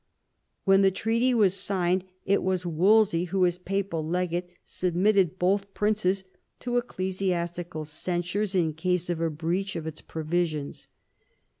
When the treaty was signed it was Wolsey who, as papal legate, submitted both princes to ecclesi astical censures in case of a breach of its provisions.